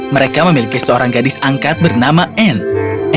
mereka memiliki seorang gadis angkat bernama anne